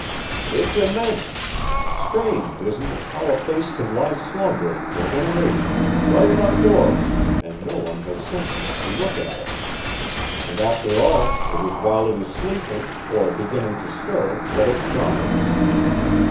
"It's immense! Strange, isn't it, how a place can lie slumbering for generations, right at our doors, and no one has sense enough to look at it? And after all, it is while it is sleeping, or beginning to stir, that it charms.